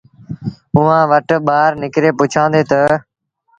اُئآݩٚ وٽ ٻآهر نڪري پُڇيآندي تا